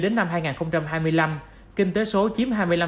đến năm hai nghìn hai mươi năm kinh tế số chiếm